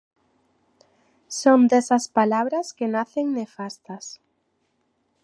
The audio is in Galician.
Son desas palabras que nacen nefastas.